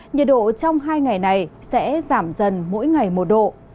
nhiệt độ trong hai ngày này sẽ giảm dần mỗi ngày một độ